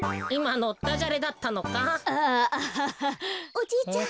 おじいちゃん